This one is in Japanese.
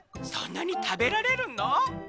「そんなにたべられるの？」。